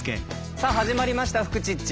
さあ始まりました「フクチッチ」。